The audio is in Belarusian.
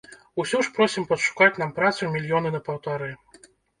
Усё ж просім падшукаць нам працу мільёны на паўтары.